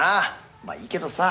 まあいいけどさ。